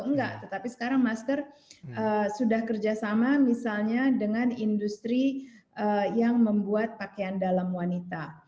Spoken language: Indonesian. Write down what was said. enggak tetapi sekarang masker sudah kerjasama misalnya dengan industri yang membuat pakaian dalam wanita